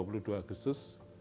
pertama di kabupaten purbalingga